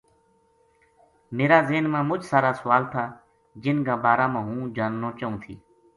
میرا ذہن ما مُچ سارا سوال تھا جن کا بارا ما ہوں جاننو چاہوں تھی